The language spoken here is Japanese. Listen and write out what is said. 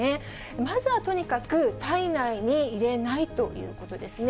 まずはとにかく、体内に入れないということですね。